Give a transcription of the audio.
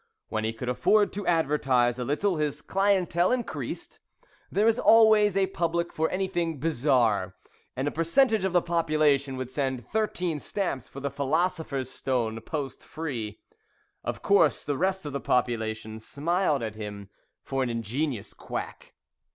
When he could afford to advertise a little, his clientèle increased. There is always a public for anything bizarre, and a percentage of the population would send thirteen stamps for the Philosopher's Stone, post free. Of course, the rest of the population smiled at him for an ingenious quack.